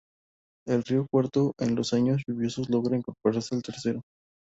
El río Cuarto, en los años lluviosos, logra incorporarse al Tercero.